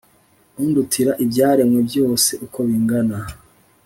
Undutira ibyaremwe byose uko bingana